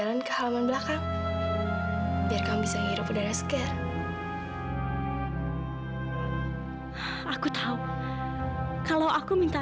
dia pasti akan tahu kalau dia